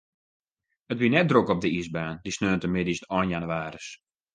It wie net drok op de iisbaan, dy saterdeitemiddeis ein jannewaris.